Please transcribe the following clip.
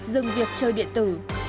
dừng việc chơi điện tử